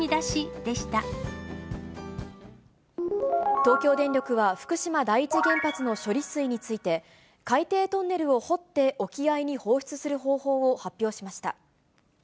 東京電力は、福島第一原発の処理水について、海底トンネルを掘って沖合に放出する方法を発表しました。